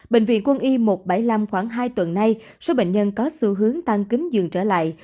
bệnh viện quân y một trăm bảy mươi năm khoảng hai tuần nay số bệnh nhân có xu hướng tăng cứng dường trở lại